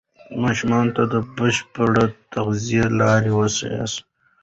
ماشومانو ته د بشپړې تغذیې لارې وښایئ.